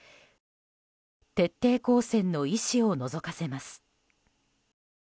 徹底抗戦の意思をのぞかせます。